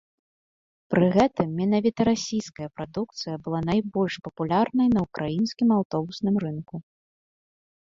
Пры гэтым менавіта расійская прадукцыя была найбольш папулярнай на ўкраінскім аўтобусным рынку.